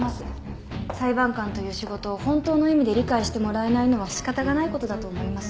裁判官という仕事を本当の意味で理解してもらえないのはしかたがないことだと思います。